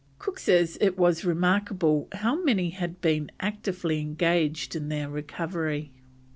Cook says it was remarkable how many had been actively engaged in their recovery.